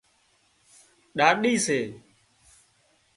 ڏاڏِي سي